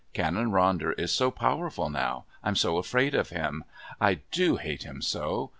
Canon Ronder is so powerful now. I'm so afraid of him. I do hate him so!